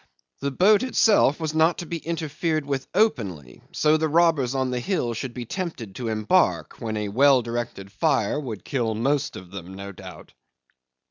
The boat itself was not to be interfered with openly, so that the robbers on the hill should be tempted to embark, when a well directed fire would kill most of them, no doubt.